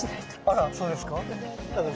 あらそうですか？